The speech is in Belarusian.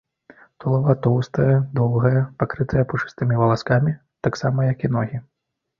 Тулава тоўстае, доўгае, пакрытае пушыстымі валаскамі, таксама як і ногі.